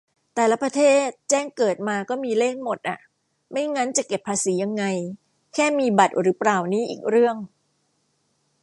แต่ละประเทศ แจ้งเกิดมาก็มีเลขหมดอะ ไม่งั้นจะเก็บภาษียังไง แค่มีบัตรหรือเปล่านี่อีกเรื่อง